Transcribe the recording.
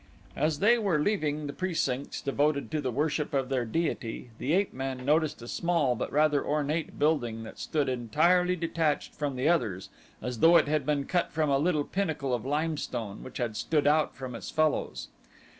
As they were leaving the precincts devoted to the worship of their deity, the ape man noticed a small but rather ornate building that stood entirely detached from the others as though it had been cut from a little pinnacle of limestone which had stood out from its fellows.